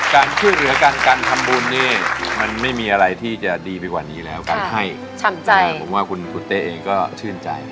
การชื่นเหลือกันการทำบุญมันไม่มีอะไรที่จะดีไปกว่านี้แล้วแค่ให้ผมว่าคุณเจ๋งก็ชื่นใจ